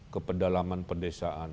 ke pedalaman perdesaan